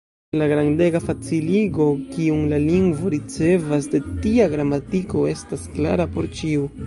La grandega faciligo, kiun la lingvo ricevas de tia gramatiko, estas klara por ĉiu.